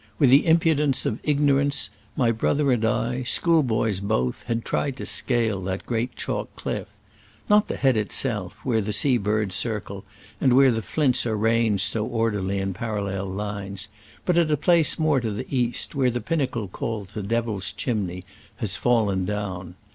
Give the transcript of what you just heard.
With the impudence of ignorance, my brother and I, schoolboys both, had tried to scale that great chalk cliff. Not the head itself— where sea birds circle, and where the flints are ranged so or derly in parallel lines — ^but at a place more to the east, where the pinnacle called the Devil's Chimney had fallen down.